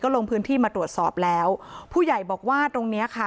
ลงพื้นที่มาตรวจสอบแล้วผู้ใหญ่บอกว่าตรงเนี้ยค่ะ